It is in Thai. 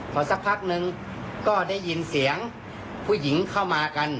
พอสักพักนึงก็ได้ยินเสียงผู้หญิงเข้ามากัน